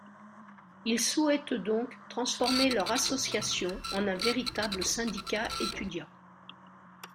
Ils souhaitent donc transformer leur association en un véritable syndicat étudiant.